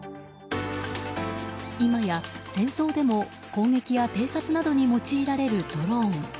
今や戦争でも攻撃や偵察などに用いられるドローン。